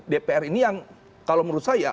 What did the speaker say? dpr ini yang kalau menurut saya